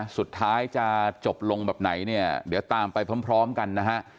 สุดท้ายจะจบลงแบบไหนเนี่ยเดี๋ยวตามไปพร้อมกันนะฮะ